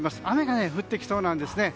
雨が降ってきそうなんです。